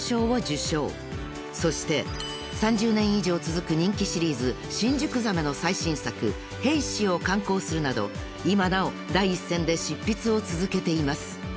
［そして３０年以上続く人気シリーズ］［刊行するなど今なお第一線で執筆を続けています］